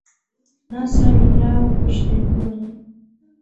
Нас ажәеинраалақәа еишьҭаргыланы.